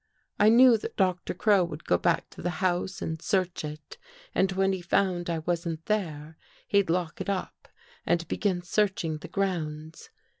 I knew that Doctor Crow would go back to the house and search it, and when he found I wasn't there, he'd lock it up and begin searching the grounds.